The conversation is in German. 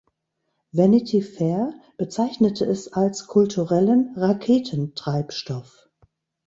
Vanity Fair bezeichnete es als „kulturellen Raketentreibstoff“.